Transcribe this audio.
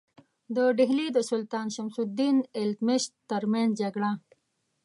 د ډهلي د سلطان شمس الدین التمش ترمنځ جګړه.